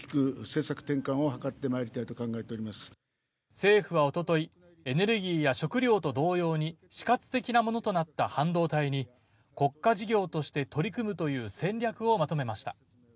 政府は一昨日、エネルギーや食料と同様に、死活的なものとなった半導体に国家事業として取り組むという戦略をまとめました。